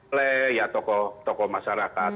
oleh ya tokoh tokoh masyarakat